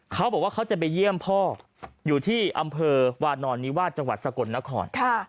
เขาบอกว่าเขาจะไปเยี่ยมพ่ออยู่ที่อำเภอวานอนนิวาสจังหวัดสกลนคร